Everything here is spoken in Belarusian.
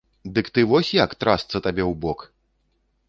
Дык ты вось як, трасца табе ў бок!